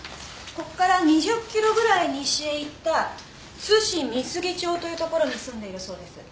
ここから２０キロぐらい西へ行った津市美杉町というところに住んでいるそうです。